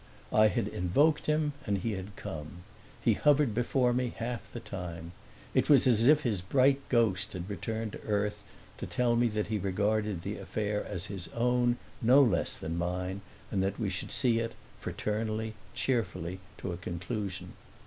I had invoked him and he had come; he hovered before me half the time; it was as if his bright ghost had returned to earth to tell me that he regarded the affair as his own no less than mine and that we should see it fraternally, cheerfully to a conclusion.